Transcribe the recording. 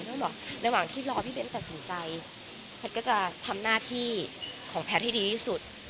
ต้องบอกระหว่างที่รอพี่เบ้นตัดสินใจแพทย์ก็จะทำหน้าที่ของแพทย์ให้ดีที่สุด